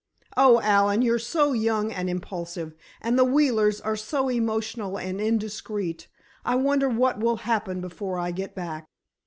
Oh, Allen, you're so young and impulsive, and the Wheelers are so emotional and indiscreet, I wonder what will happen before I get back!"